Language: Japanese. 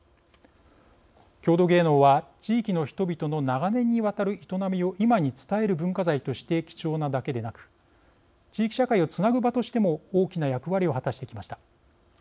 郷土芸能は地域の人々の長年にわたる営みを今に伝える文化財として貴重なだけでなく地域社会をつなぐ場としても大きな役割を果たしてきました。